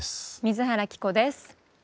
水原希子です。